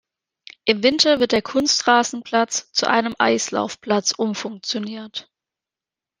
Im Winter wird der Kunstrasenplatz zu einem Eislaufplatz umfunktioniert.